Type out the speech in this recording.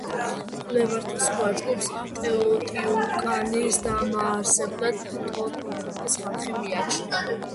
მკვლევართა სხვა ჯგუფს ტეოტიუაკანის დამაარსებლად ტოტონაკის ხალხი მიაჩნდა.